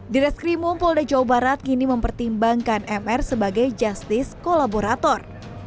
di restri mumpol dajau barat kini mempertimbangkan mr sebagai justice kolaborator